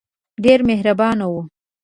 ډېر مهربانه وو.